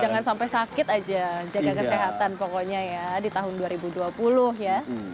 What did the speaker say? jangan sampai sakit aja jaga kesehatan pokoknya ya di tahun dua ribu dua puluh ya